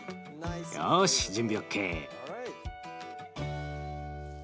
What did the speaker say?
よし準備ＯＫ。